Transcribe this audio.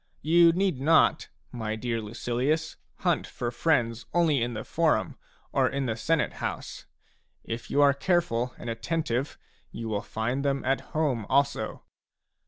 You need not, my dear Lucilius, hunt for friends only in the forum or in the Senate house ; if you are careful and attentive, you will find them at home also.